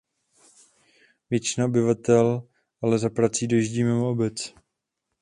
Většina obyvatel ale za prací dojíždí mimo obec.